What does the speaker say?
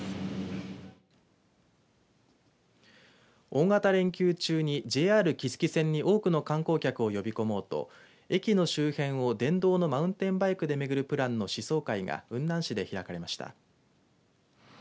大型連休中にＪＲ木次線に多くの観光客を呼び込もうと駅の周辺を電動のマウンテンバイクで巡るプランの試走会が雲南市で開かれました。